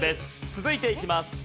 続いていきます。